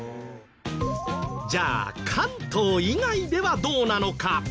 じゃあ関東以外ではどうなのか？